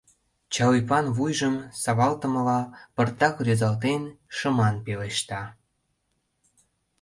Чал ӱпан вуйжым савалтымыла пыртак рӱзалтен, шыман пелешта: